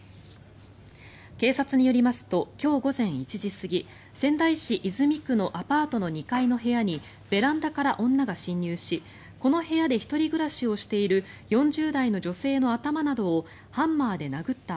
警察によりますと今日午前１時過ぎ仙台市泉区のアパートの２階の部屋にベランダから女が侵入しこの部屋で１人暮らしをしている４０代の女性の頭などをハンマーで殴った